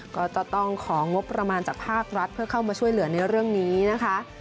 ก็จะต้องของงบประมาณจากภาครัฐเพื่อเข้ามาช่วยเหลือในเรื่องนี้นะคะ